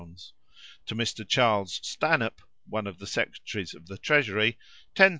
to Mr. Charles Stanhope (one of the secretaries of the Treasury), 10,000l.